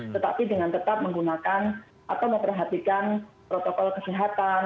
tetapi dengan tetap menggunakan atau memperhatikan protokol kesehatan